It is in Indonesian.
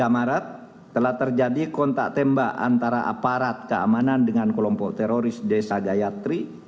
tiga maret telah terjadi kontak tembak antara aparat keamanan dengan kelompok teroris desa gayatri